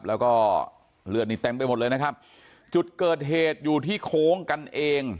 แล้วก็เลือดนี่เต็มไปหมดเลยนะครับจุดเกิดเหตุอยู่ที่โค้งกันเอง